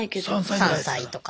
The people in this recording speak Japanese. ３歳とか。